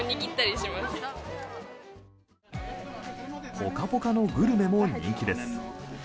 ポカポカのグルメも人気です。